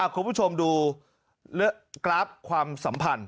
คุณผู้ชมดูกราฟความสัมพันธ์